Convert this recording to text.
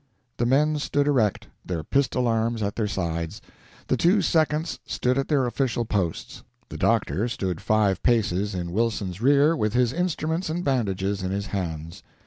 The men stood erect, their pistol arms at their sides, the two seconds stood at their official posts, the doctor stood five paces in Wilson's rear with his instruments and bandages in his hands.